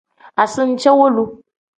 Asincewolu.